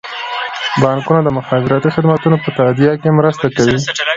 بانکونه د مخابراتي خدمتونو په تادیه کې مرسته کوي.